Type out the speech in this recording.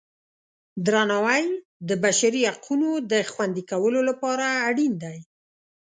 درناوی د بشري حقونو د خوندي کولو لپاره اړین دی.